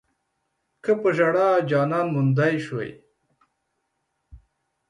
که پۀ ژړا جانان موندی شوی